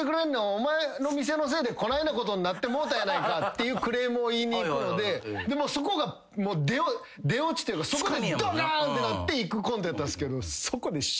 お前の店のせいでこないなことになってもうたやないかっていうクレームを言いにいくのでそこが出オチっていうか。ってなっていくコントやったんすけどそこで。